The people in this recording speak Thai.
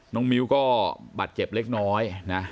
น้องมิวก็บัดเก็บเล็กน้อย